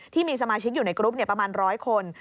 ที่มีสมาชิกอยู่ในกรุ๊ปเนี่ยประมาณร้อยคน